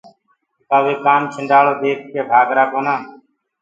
ڪآ وي سوپيري ديک ڪي ڀآگرآ ڪونآ۔